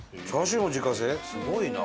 すごいな。